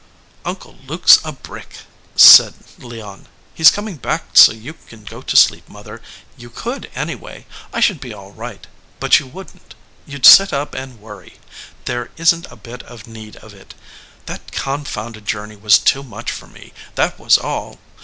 "Uncle Luke s a brick !" said Leon. "He s com ing back so you can go to sleep, mother. You 171 EDGEWATER PEOPLE could, anyway; I should be all right. But you wouldn t; you d sit up and worry. There isn t a bit of need of it. That confounded journey was too much for me, that was all.